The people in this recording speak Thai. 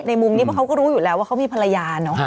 ในมุมนี้เขาก็รู้อยู่แล้วว่าเขามีภรรยา